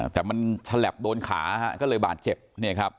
แต่มันฉลับโดนขาก็เลยบาดเจ็บเนี่ยครับ